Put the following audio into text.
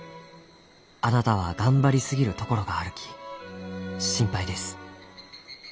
あなたは頑張りすぎるところがあるき心配です。